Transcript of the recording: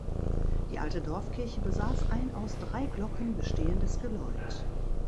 Die alte Dorfkirche besaß ein aus drei Glocken bestehendes Geläut.